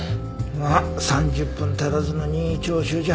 まあ３０分足らずの任意聴取じゃ